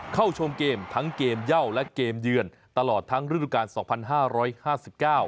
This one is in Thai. เข้าชมเกมทั้งเกมเย่าและเกมเยือนตลอดทั้งฤดูการสองพันห้าร้อยห้าสิบเก้า